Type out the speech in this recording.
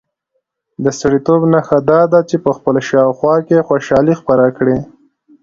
د سړیتوب نښه دا ده چې په خپل شاوخوا کې خوشالي خپره کړي.